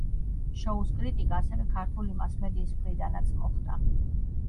შოუს კრიტიკა ასევე ქართული მასმედიის მხრიდანაც მოხდა.